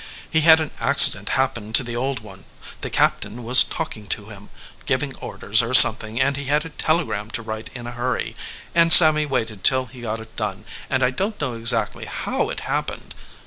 He had an accident happen to the old one. The captain was talking to him, giving orders or something, and he had a telegram to write in a hurry, and Sammy waited till he got it done, and I don t know exactly how it happened.